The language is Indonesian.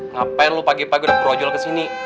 ngapain lo pagi dua udah berujul kesini